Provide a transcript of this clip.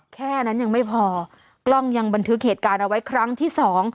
แค่นั้นยังไม่พอกล้องยังบันทึกเหตุการณ์เอาไว้ครั้งที่สอง